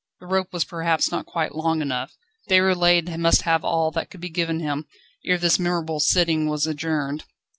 The rope was perhaps not quite long enough; Déroulède must have all that could be given him, ere this memorable sitting was adjourned.